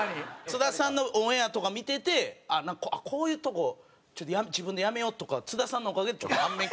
津田さんのオンエアとか見ててあっなんかこういうとこ自分でやめようとか津田さんのおかげでちょっと反面教師。